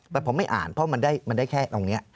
แต่ผมไม่อ่านเพราะมันได้แค่ตรงนี้